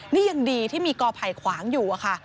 นี่ยังดีที่มีกอไผ่ขวางอยู่อะค่ะ